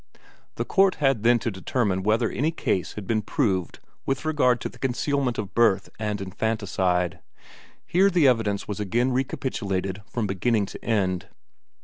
The court had then to determine whether any case had been proved with regard to concealment of birth and infanticide. Here the evidence was again recapitulated from beginning to end.